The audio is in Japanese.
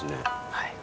はい。